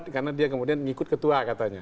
karena dia kemudian ngikut ketua katanya